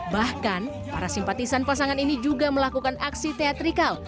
bahkan para simpatisan pasangan ini juga melakukan aksi teatrikal